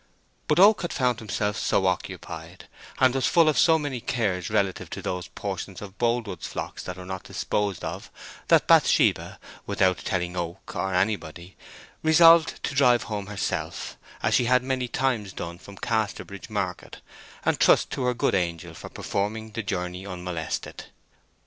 But Oak had found himself so occupied, and was full of so many cares relative to those portions of Boldwood's flocks that were not disposed of, that Bathsheba, without telling Oak or anybody, resolved to drive home herself, as she had many times done from Casterbridge Market, and trust to her good angel for performing the journey unmolested.